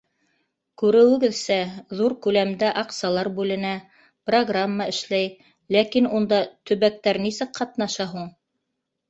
Күреүегеҙсә, ҙур күләмдә аҡсалар бүленә, программа эшләй, ләкин унда төбәктәр нисек ҡатнаша һуң?